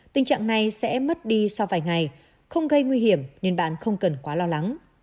tình trạng này sẽ mất đi sau vài ngày không gây nguy hiểm nên bạn không cần quá lo lắng